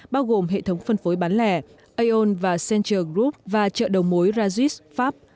bao gồm hệ thống phân phối bán lẻ aon và center group và chợ đầu mối rajis pháp